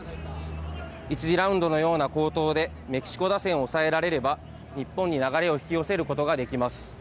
１次ラウンドのような好投で、メキシコ打線を抑えられれば、日本に流れを引き寄せられることができます。